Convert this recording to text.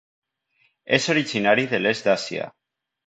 És originari de l'est d'Àsia.